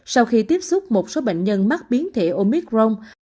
sau khi tiếp xúc một số bệnh nhân mắc biến thể omicron